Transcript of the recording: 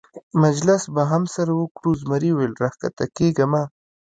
مجلس به هم سره وکړو، زمري وویل: را کښته کېږه مه.